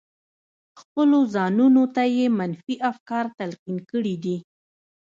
خپلو ځانونو ته يې منفي افکار تلقين کړي دي.